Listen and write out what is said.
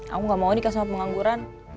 aku enggak mau nikah sama pengangguran